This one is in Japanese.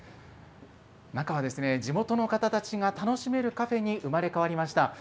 中は、地元の方たちが楽しめるカフェに生まれ変わりました。